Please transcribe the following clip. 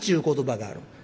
言葉がある。